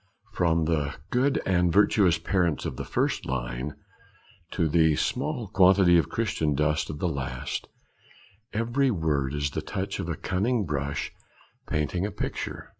From the 'good and virtuous parents' of the first line to the 'small quantity of Christian dust' of the last, every word is the touch of a cunning brush painting a picture.